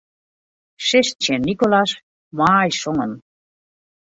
Sis tsjin Nicolas: Moai songen.